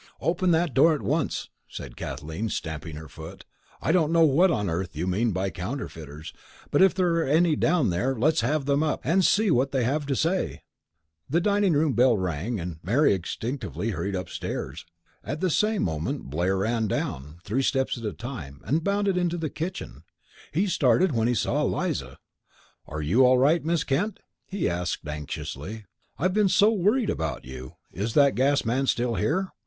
"Open that door at once!" said Kathleen, stamping her foot. "I don't know what on earth you mean by counterfeiters, but if there are any down there, let's have them up, and see what they have to say." The dining room bell rang, and Mary instinctively hurried upstairs. At the same moment Blair ran down, three steps at a time, and bounded into the kitchen. He started when he saw Eliza. "Are you all right, Miss Kent?" he asked, anxiously. "I've been so worried about you. Is that gas man still here?